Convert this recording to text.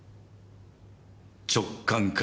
直感か。